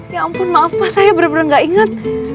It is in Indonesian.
ya ampun maaf pak saya bener bener gak inget